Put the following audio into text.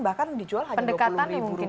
bahkan dijual hanya dua puluh ribu rupiah